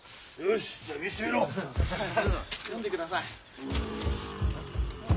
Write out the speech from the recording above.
読んでください。